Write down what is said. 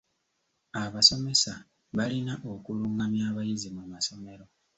Abasomesa balina okulungamya abayizi mu masomero.